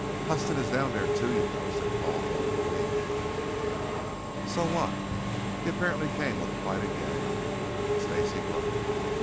"Huston is down there, too, you know," said Paul thoughtfully. "So what?" "He apparently came with quite a gang." Stacey grunted.